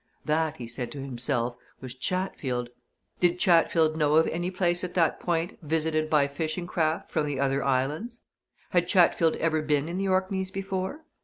That, he said to himself, was Chatfield. Did Chatfield know of any place at that point visited by fishing craft from the other islands? Had Chatfield ever been in the Orkneys before?